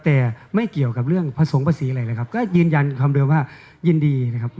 แต่ไม่เกี่ยวกับเรื่องผสงภาษีอะไรเลยครับก็ยืนยันความเดิมว่ายินดีนะครับไม่กังวลอะไรเลยครับผม